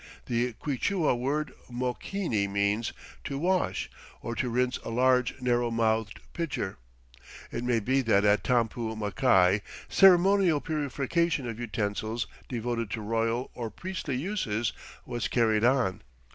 The Quichua word macchini means "to wash" or "to rinse a large narrow mouthed pitcher." It may be that at Tampu Machai ceremonial purification of utensils devoted to royal or priestly uses was carried on.